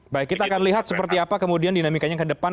baik kita akan lihat seperti apa kemudian dinamikanya ke depan